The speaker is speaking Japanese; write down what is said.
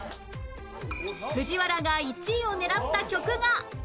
藤原が１位を狙った曲が